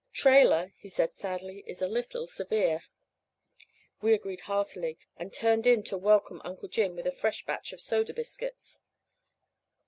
"Trailer," said he sadly, "is a little severe." We agreed heartily, and turned in to welcome Uncle Jim with a fresh batch of soda biscuits.